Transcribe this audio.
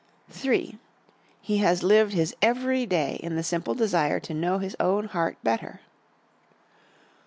III. He has lived his every day in the simple desire to know his own heart better.